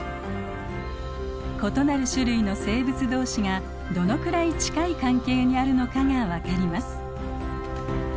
異なる種類の生物同士がどのくらい近い関係にあるのかが分かります。